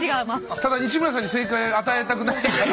ただ西村さんに正解与えたくないから。